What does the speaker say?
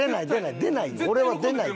俺は出ないって。